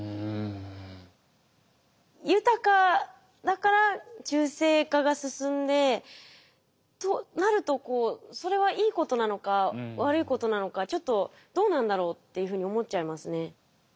豊かだから中性化が進んでとなるとそれはいいことなのか悪いことなのかちょっとどうなんだろうっていうふうに思っちゃいますね。